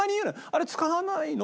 「あれ使わないの？